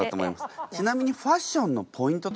ちなみにファッションのポイント。